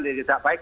jadi tidak baik